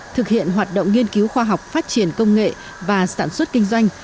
thực hiện hoạt động nghiên cứu khoa học phát triển công nghệ và sản xuất kinh doanh